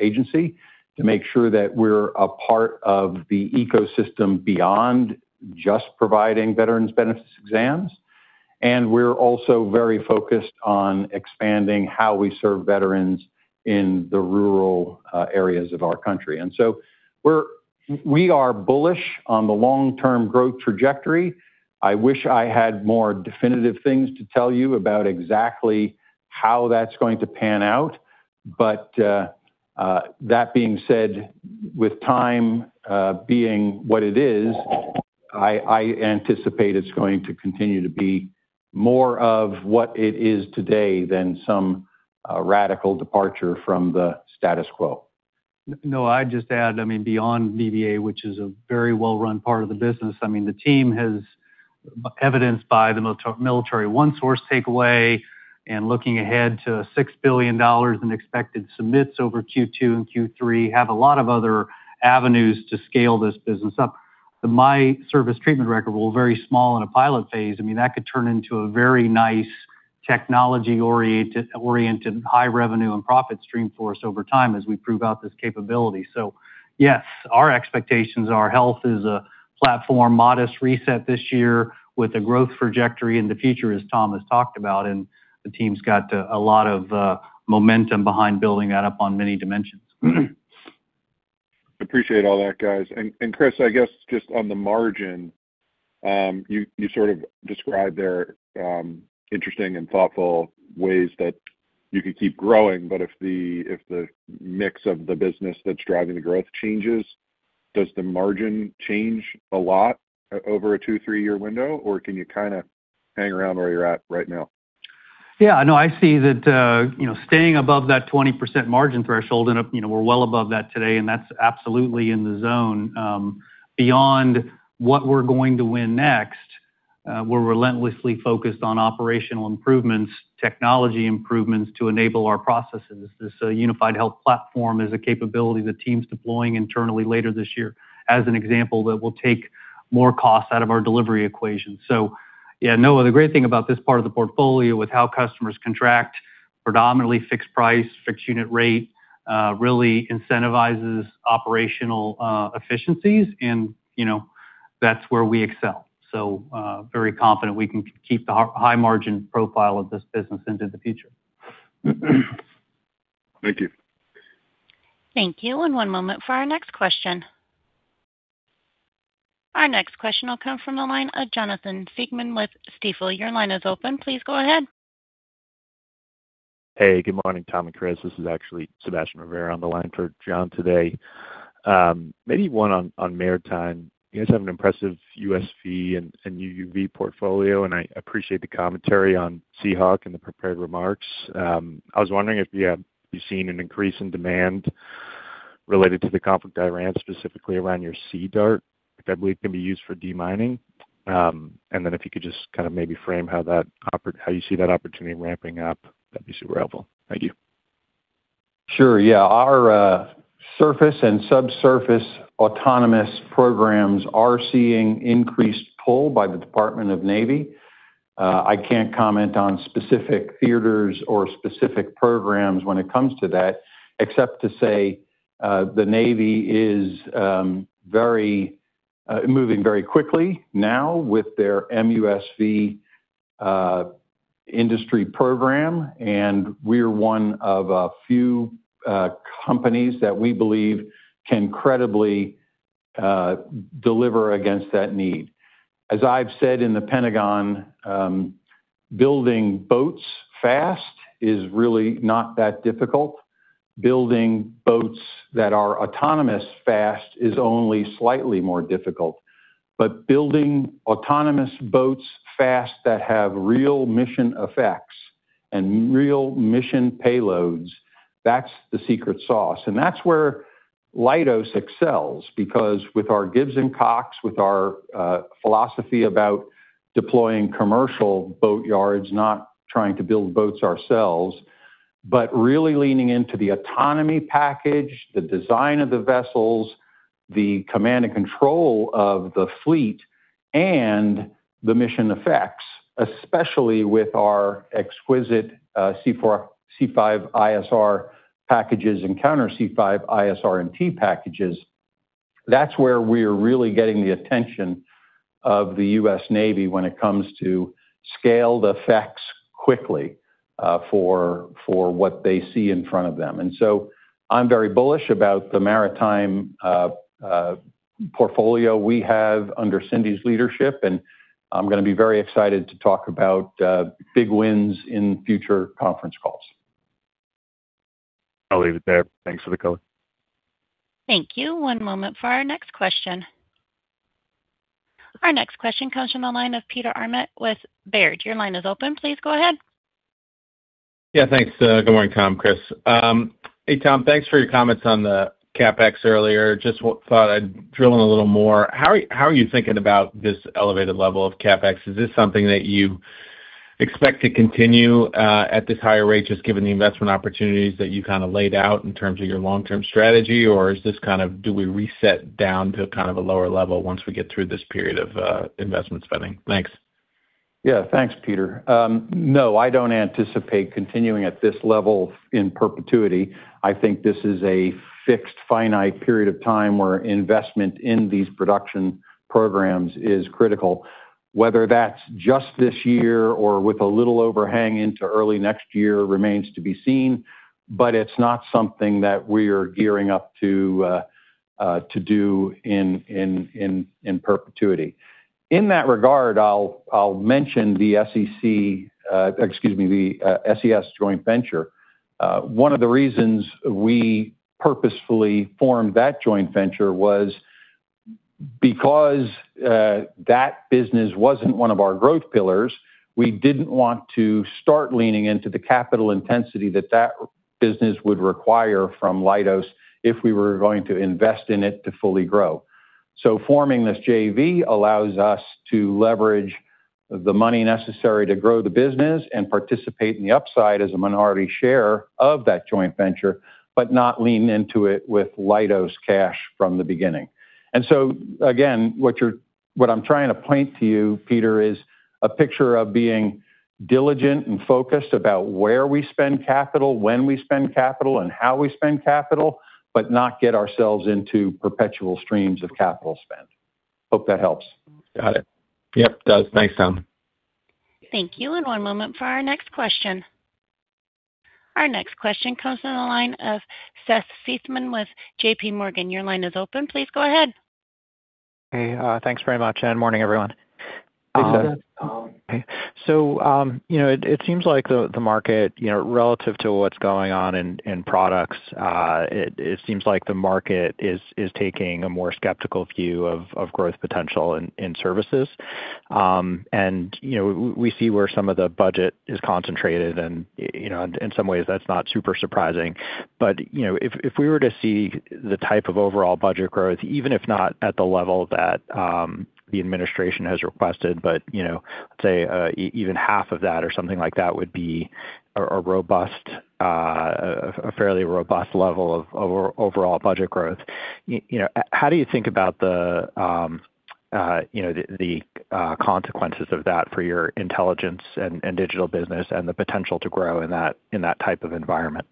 Agency to make sure that we're a part of the ecosystem beyond just providing veterans benefits exams. We're also very focused on expanding how we serve veterans in the rural areas of our country. We are bullish on the long-term growth trajectory. I wish I had more definitive things to tell you about exactly how that's going to pan out. That being said, with time being what it is, I anticipate it's going to continue to be more of what it is today than some radical departure from the status quo. No, I'd just add, I mean, beyond VBA, which is a very well-run part of the business. I mean, the team has evidenced by the Military OneSource takeaway and looking ahead to $6 billion in expected submits over Q2 and Q3 have a lot of other avenues to scale this business up. The My Service Treatment Record were very small in a pilot phase. I mean, that could turn into a very nice technology-oriented high revenue and profit stream for us over time as we prove out this capability. Yes, our expectations are health is a platform modest reset this year with a growth trajectory in the future, as Tom has talked about, and the team's got a lot of momentum behind building that up on many dimensions. Appreciate all that, guys. Chris, I guess just on the margin, you sort of described there, interesting and thoughtful ways that you could keep growing. If the mix of the business that's driving the growth changes, does the margin change a lot over a two, three-year window, or can you kinda hang around where you're at right now? Yeah, no, I see that, you know, staying above that 20% margin threshold and, you know, we're well above that today, and that's absolutely in the zone. Beyond what we're going to win next, we're relentlessly focused on operational improvements, technology improvements to enable our processes. This unified health platform is a capability the team's deploying internally later this year as an example that will take more costs out of our delivery equation. Yeah, Noah, the great thing about this part of the portfolio with how customers contract predominantly fixed price, fixed unit rate, really incentivizes operational efficiencies and, you know, that's where we excel. Very confident we can keep the high margin profile of this business into the future. Thank you. Thank you. One moment for our next question. Our next question will come from the line of Jonathan Siegmann with Stifel. Your line is open. Please go ahead. Hey, good morning, Tom and Chris. This is actually Sebastian Rivera on the line for Jon today. Maybe one on maritime. You guys have an impressive USV and UUV portfolio, and I appreciate the commentary on Seahawk and the prepared remarks. I was wondering if, yeah, you've seen an increase in demand related to the conflict with Iran, specifically around your Sea Dart that we can be used for demining. Then if you could just kind of maybe frame how you see that opportunity ramping up, that'd be super helpful. Thank you. Sure, yeah. Our surface and subsurface autonomous programs are seeing increased pull by the Department of the Navy. I can't comment on specific theaters or specific programs when it comes to that, except to say the Navy is moving very quickly now with their MUSV industry program, and we're one of a few companies that we believe can credibly deliver against that need. As I've said in the Pentagon, building boats fast is really not that difficult. Building boats that are autonomous fast is only slightly more difficult. Building autonomous boats fast that have real mission effects and real mission payloads. That's the secret sauce, that's where Leidos excels because with our Gibbs & Cox, with our philosophy about deploying commercial boat yards, not trying to build boats ourselves, but really leaning into the autonomy package, the design of the vessels, the command and control of the fleet, and the mission effects, especially with our exquisite C4, C5ISR packages and counter C5ISRT packages. That's where we're really getting the attention of the U.S. Navy when it comes to scaled effects quickly for what they see in front of them. I'm very bullish about the maritime portfolio we have under Cindy's leadership, and I'm gonna be very excited to talk about big wins in future conference calls. I'll leave it there. Thanks for the color. Thank you. One moment for our next question. Our next question comes from the line of Peter Arment with Baird. Your line is open. Please go ahead. Yeah, thanks. Good morning, Tom, Chris. Hey, Tom, thanks for your comments on the CapEx earlier. Just thought I'd drill in a little more. How are you thinking about this elevated level of CapEx? Is this something that you expect to continue at this higher rate, just given the investment opportunities that you kinda laid out in terms of your long-term strategy? Or is this kind of do we reset down to kind of a lower level once we get through this period of investment spending? Thanks. Yeah. Thanks, Peter. No, I don't anticipate continuing at this level in perpetuity. I think this is a fixed finite period of time where investment in these production programs is critical. Whether that's just this year or with a little overhang into early next year remains to be seen, but it's not something that we're gearing up to do in perpetuity. In that regard, I'll mention the SES joint venture. One of the reasons we purposefully formed that joint venture was because that business wasn't one of our growth pillars, we didn't want to start leaning into the capital intensity that that business would require from Leidos if we were going to invest in it to fully grow. Forming this JV allows us to leverage the money necessary to grow the business and participate in the upside as a minority share of that joint venture, but not lean into it with Leidos cash from the beginning. Again, what I'm trying to point to you, Peter, is a picture of being diligent and focused about where we spend capital, when we spend capital, and how we spend capital, but not get ourselves into perpetual streams of capital spend. Hope that helps. Got it. Yep, does. Thanks, Tom. Thank you. One moment for our next question. Our next question comes from the line of Seth Seifman with JPMorgan. Your line is open. Please go ahead. Hey, thanks very much. Morning, everyone. Hey, Seth. You know, it seems like the market, you know, relative to what's going on in products, it seems like the market is taking a more skeptical view of growth potential in services. You know, we see where some of the budget is concentrated and, you know, in some ways that's not super surprising. You know, if we were to see the type of overall budget growth, even if not at the level that the administration has requested, but, you know, say, even half of that or something like that would be a robust, a fairly robust level of overall budget growth. you know, how do you think about the, you know, the consequences of that for your Intelligence and Digital business and the potential to grow in that type of environment?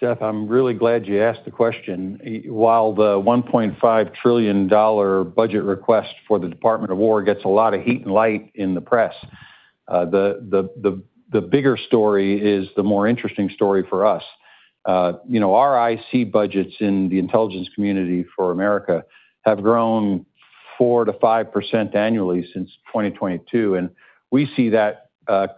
Seth, I'm really glad you asked the question. While the $1.5 trillion budget request for the Department of Defense gets a lot of heat and light in the press, the bigger story is the more interesting story for us. You know, our IC budgets in the Intelligence Community for America have grown 4%-5% annually since 2022, and we see that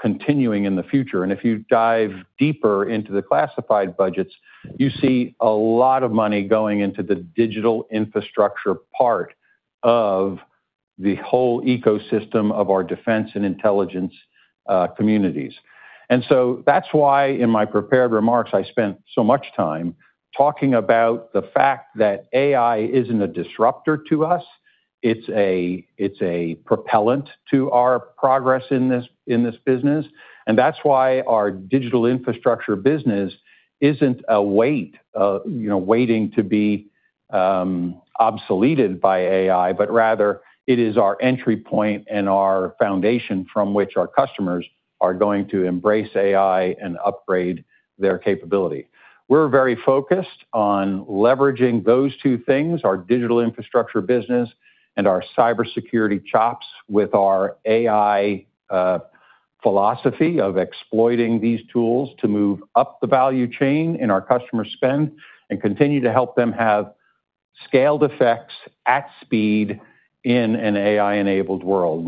continuing in the future. If you dive deeper into the classified budgets, you see a lot of money going into the digital infrastructure part of the whole ecosystem of our defense and intelligence communities. That's why in my prepared remarks, I spent so much time talking about the fact that AI isn't a disruptor to us. It's a propellant to our progress in this, in this business, and that's why our digital infrastructure business isn't waiting to be obsoleted by AI, but rather it is our entry point and our foundation from which our customers are going to embrace AI and upgrade their capability. We're very focused on leveraging those two things, our digital infrastructure business and our cybersecurity chops with our AI philosophy of exploiting these tools to move up the value chain in our customer spend and continue to help them have scaled effects at speed in an AI-enabled world.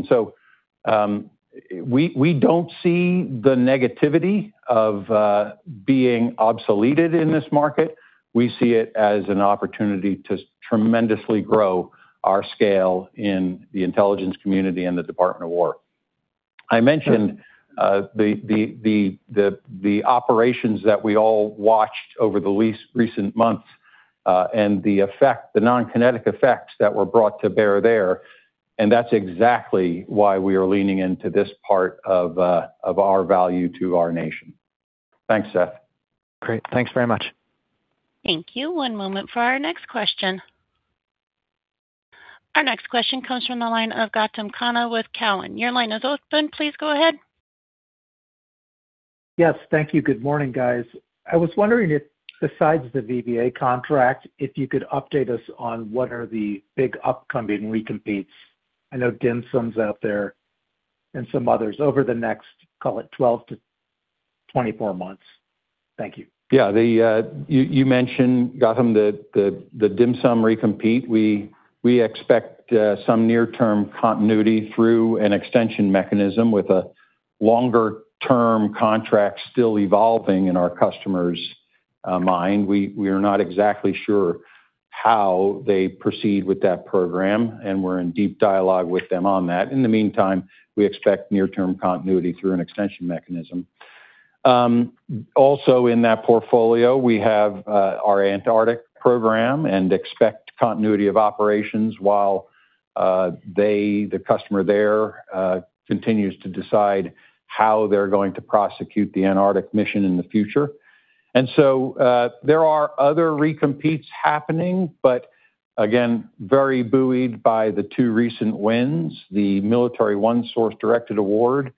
We don't see the negativity of being obsoleted in this market. We see it as an opportunity to tremendously grow our scale in the intelligence community and the Department of Defense. I mentioned the operations that we all watched over the least recent months, and the effect, the non-kinetic effects that were brought to bear there. That's exactly why we are leaning into this part of our value to our nation. Thanks, Seth. Great. Thanks very much. Thank you. One moment for our next question. Our next question comes from the line of Gautam Khanna with Cowen. Your line is open. Please go ahead. Yes, thank you. Good morning, guys. I was wondering if besides the VBA contract, if you could update us on what are the big upcoming recompetes. I know DHMSM's out there and some others over the next, call it, 12-24 months. Thank you. Yeah. The, you mentioned, Gautam, the DHMSM recompete. We expect some near-term continuity through an extension mechanism with a longer-term contract still evolving in our customer's mind. We are not exactly sure how they proceed with that program, and we're in deep dialogue with them on that. In the meantime, we expect near-term continuity through an extension mechanism. Also in that portfolio, we have our Antarctic Program and expect continuity of operations while they, the customer there, continues to decide how they're going to prosecute the Antarctic mission in the future. There are other recompetes happening, but again, very buoyed by the two recent wins. The Military OneSource directed award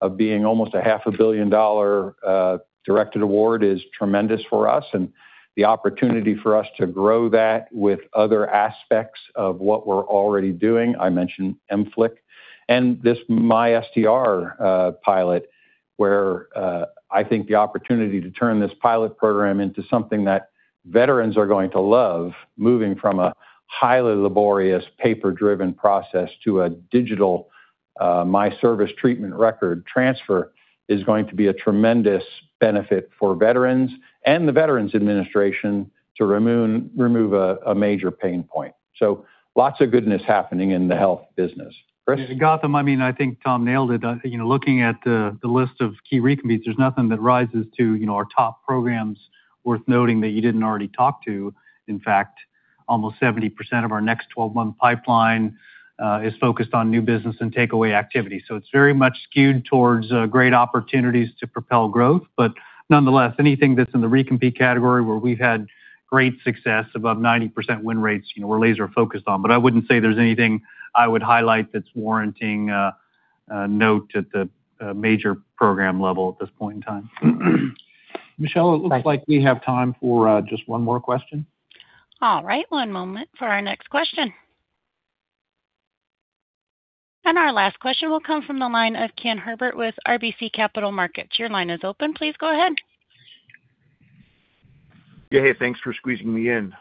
of being almost a half a billion dollar directed award is tremendous for us, and the opportunity for us to grow that with other aspects of what we're already doing, I mentioned MFLC, and this MySTR pilot, where I think the opportunity to turn this pilot program into something that veterans are going to love, moving from a highly laborious paper-driven process to a digital My Service Treatment Record transfer, is going to be a tremendous benefit for veterans and the Veterans Administration to remove a major pain point. Lots of goodness happening in the health business. Chris? Yeah, Gautam, I mean, I think Tom nailed it. You know, looking at the list of key recompetes, there's nothing that rises to, you know, our top programs worth noting that you didn't already talk to. In fact, almost 70% of our next 12-month pipeline is focused on new business and takeaway activity. It's very much skewed towards great opportunities to propel growth. Nonetheless, anything that's in the recompete category where we've had great success, above 90% win rates, you know, we're laser-focused on. I wouldn't say there's anything I would highlight that's warranting a note at the major program level at this point in time. Michelle- Thanks. It looks like we have time for just one more question. All right. One moment for our next question. Our last question will come from the line of Ken Herbert with RBC Capital Markets. Your line is open. Please go ahead. Yeah, hey, thanks for squeezing me in.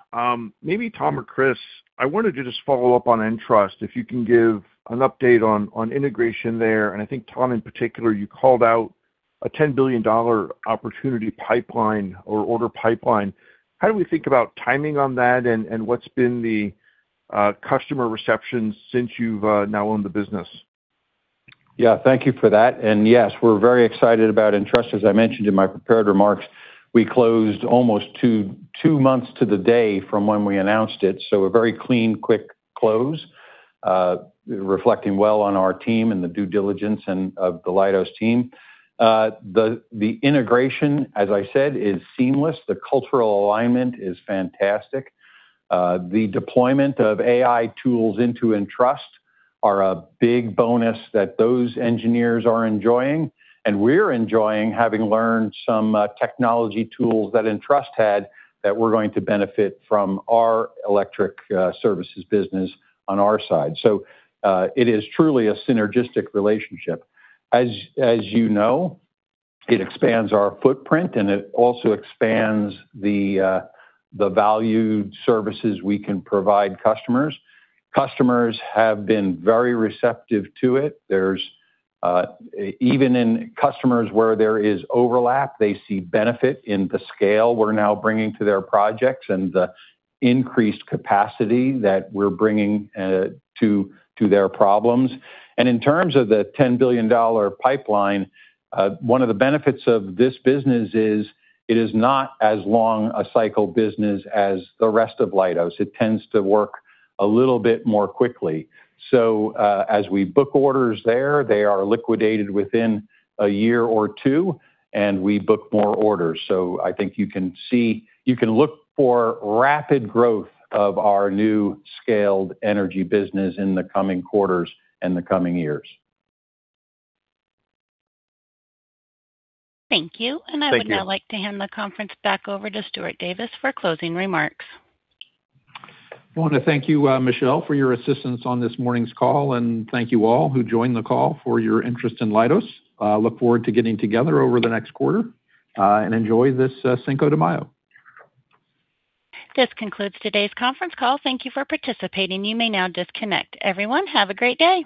Maybe Tom or Chris, I wanted to just follow up on ENTRUST, if you can give an update on integration there. I think, Tom, in particular, you called out a $10 billion opportunity pipeline or order pipeline. How do we think about timing on that, and what's been the customer reception since you've now owned the business? Yeah. Thank you for that. Yes, we're very excited about ENTRUST. As I mentioned in my prepared remarks, we closed almost two months to the day from when we announced it, so a very clean, quick close, reflecting well on our team and the due diligence of the Leidos team. The integration, as I said, is seamless. The cultural alignment is fantastic. The deployment of AI tools into ENTRUST are a big bonus that those engineers are enjoying, and we're enjoying having learned some technology tools that ENTRUST had that we're going to benefit from our electric services business on our side. It is truly a synergistic relationship. As you know, it expands our footprint, and it also expands the valued services we can provide customers. Customers have been very receptive to it. There's even in customers where there is overlap, they see benefit in the scale we're now bringing to their projects and the increased capacity that we're bringing to their problems. In terms of the $10 billion pipeline, one of the benefits of this business is it is not as long a cycle business as the rest of Leidos. It tends to work a little bit more quickly. As we book orders there, they are liquidated within a year or two, and we book more orders. I think you can see, you can look for rapid growth of our new scaled energy business in the coming quarters and the coming years. Thank you. Thank you. I would now like to hand the conference back over to Stuart Davis for closing remarks. I wanna thank you, Michelle, for your assistance on this morning's call, and thank you all who joined the call for your interest in Leidos. I look forward to getting together over the next quarter, and enjoy this, Cinco de Mayo. This concludes today's conference call. Thank you for participating. You may now disconnect. Everyone, have a great day.